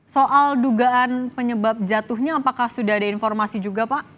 soal dugaan penyebab jatuhnya apakah sudah ada informasi juga pak